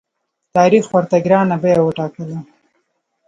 تاریخ ورته ګرانه بیه وټاکله.